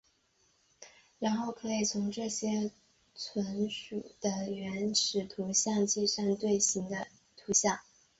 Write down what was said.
然后可以从这些存储的原始图像计算对象的图像。